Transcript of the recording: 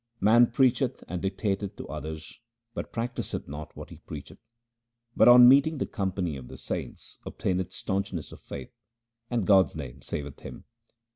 Man preacheth and dictateth to others, but practiseth not what he preacheth ; But, on meeting the company of the saints, obtaineth staunchness of faith, and God's name saveth him.